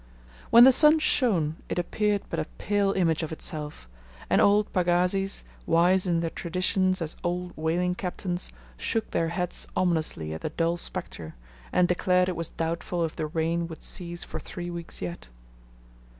When the sun shone it appeared but a pale image of itself, and old pagazis, wise in their traditions as old whaling captains, shook their heads ominously at the dull spectre, and declared it was doubtful if the rain would cease for three weeks yet.